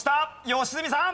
良純さん！